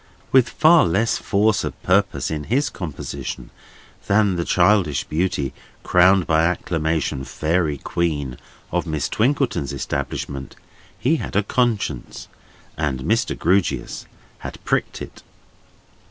With far less force of purpose in his composition than the childish beauty, crowned by acclamation fairy queen of Miss Twinkleton's establishment, he had a conscience, and Mr. Grewgious had pricked it.